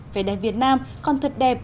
về đèn việt nam còn thật đẹp